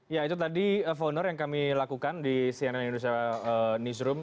ya itu tadi founder yang kami lakukan di cnn indonesia newsroom